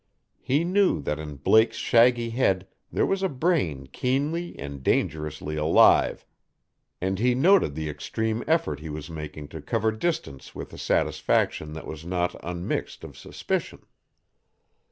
He knew that in Blake's shaggy head there was a brain keenly and dangerously alive, and he noted the extreme effort he was making to cover distance with a satisfaction that was not unmixed of suspicion.